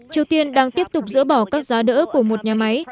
triều tiên đang tiếp tục dỡ bỏ các giá đỡ của một nhà máy